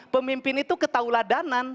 pemimpin itu ketahulah danan